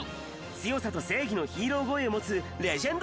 強さと正義のヒーロー声を持つレジェンド声優。